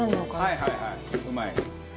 はいはいはいうまい。